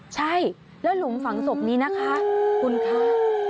ใช่แล้วหลุมฝังศพนี้นะคะคุณคะ